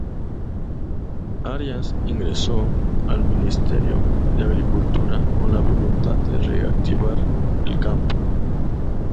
Arias ingresó al ministerio de Agricultura con la voluntad de reactivar el campo.